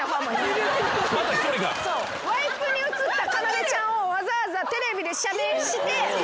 ワイプに映ったかなでちゃんをわざわざテレビで写メして。